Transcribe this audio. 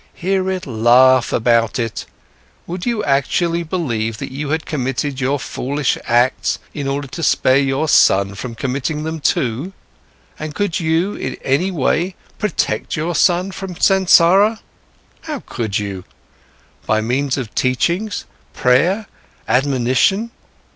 Hear it laugh about it! Would you actually believe that you had committed your foolish acts in order to spare your son from committing them too? And could you in any way protect your son from Sansara? How could you? By means of teachings, prayer, admonition?